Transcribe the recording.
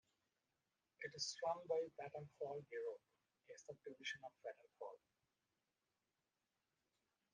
It is run by Vattenfall Europe, a subdivision of Vattenfall.